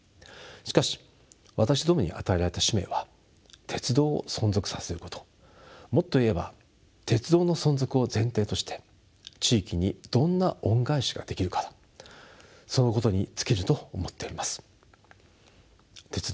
しかし私どもに与えられた使命は鉄道を存続させることもっと言えば鉄道の存続を前提として地域にどんな恩返しができるかそのことに尽きると思っております。